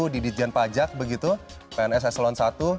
di tian pajak begitu pns eselon satu